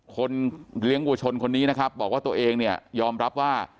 คนเลี้ยงวัวชนคนนี้นะครับบอกว่าตัวเองเนี่ยยอมรับว่า